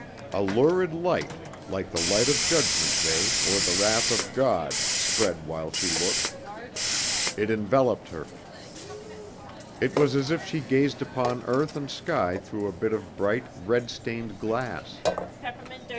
A lurid light, like the light of Judgment Day or the wrath of God spread while she looked. It enveloped her. It was as if she gazed upon earth and sky through a bit of bright red stained glass.